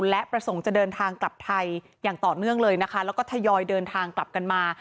และประสงค์จะเดินทางกลับไทยอย่างต่อเนื่องเลยนะคะแล้วก็ทยอยเดินทางกลับกันมา